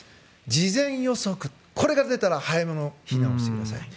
事前予測、これが出たら早めの避難をしてください。